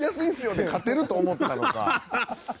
で勝てると思ったのか。